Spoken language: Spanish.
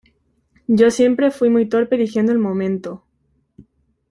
yo siempre fui muy torpe eligiendo el momento.